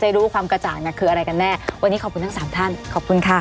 รู้ความกระจ่างน่ะคืออะไรกันแน่วันนี้ขอบคุณทั้งสามท่านขอบคุณค่ะ